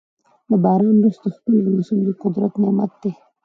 د باران وروسته ښکلی موسم د قدرت نعمت دی.